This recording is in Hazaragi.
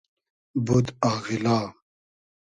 بود آغیلا